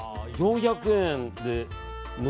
４００円で。